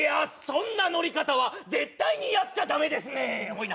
そんな乗り方は絶対にやっちゃダメですねおい